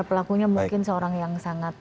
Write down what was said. pelakunya mungkin seorang yang sangat